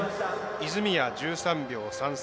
泉谷、１３秒３３。